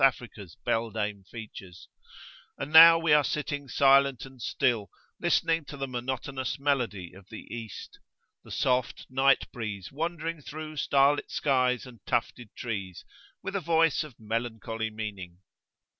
Africa's beldame features, and now we are sitting silent and still, listening to the monotonous melody of the East the soft night breeze wandering through starlit skies and tufted trees, with a voice of melancholy meaning.